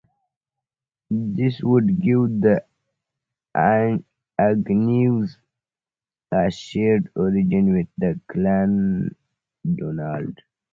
This would give the Agnews a shared origin with the Clan Donald.